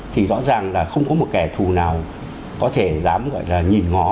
thì rõ ràng là không có một kẻ thù nào có thể dám gọi là nhìn ngó